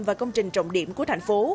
và công trình trọng điểm của thành phố